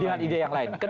dengan ide yang lain